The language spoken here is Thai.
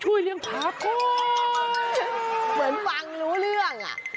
ช่วยเลี้ยงผาก่อนเหมือนฟังรู้เรื่อง